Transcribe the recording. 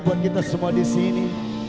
buat kita semua disini